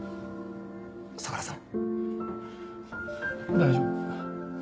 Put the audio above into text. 大丈夫。